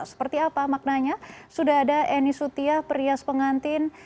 seperti apa maknanya sudah ada eni sutiah perias pengantin